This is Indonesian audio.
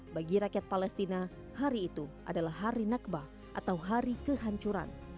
bagi rakyat palestina hari itu adalah hari nakba atau hari kehancuran